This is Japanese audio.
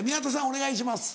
お願いします。